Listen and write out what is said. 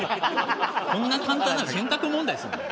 こんな簡単なの選択問題にするの？